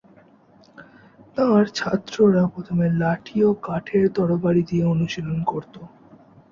তাঁর ছাত্ররা প্রথমে লাঠি ও কাঠের তরবারি দিয়ে অনুশীলন করত।